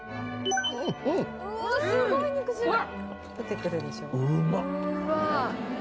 出てくるでしょう？